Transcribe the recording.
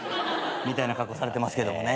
みたいな格好されてますけどもね。